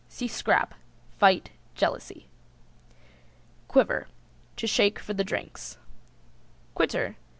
See Scrap, fight, jealousy. QUIVER. To shake for the drinks. QUITTER.